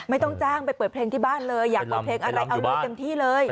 ไม่ต้องจ้างไปเปิดเพลงที่บ้านเลยอยากเปิดเพลงอะไรเอาเลยเต็มที่เลย